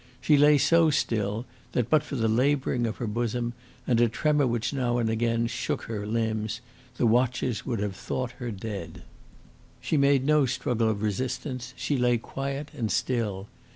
She lay so still that, but for the labouring of her bosom and a tremor which now and again shook her limbs, the watchers would have thought her dead. She made no struggle of resistance; she lay quiet and still.